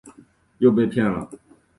又被骗了